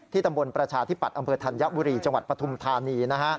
ตำบลประชาธิปัตย์อำเภอธัญบุรีจังหวัดปฐุมธานี